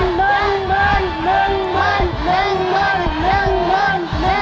หนึ่งหมื่นหนึ่งหมื่น